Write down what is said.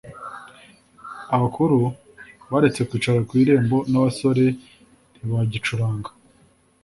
Abakuru baretse kwicara ku irembo, N’abasore ntibagicuranga.